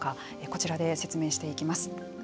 こちらで説明していきます。